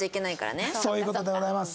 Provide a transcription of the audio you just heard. そういう事でございます。